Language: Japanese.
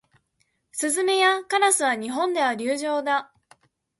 スズメやカラスは日本では留鳥だ。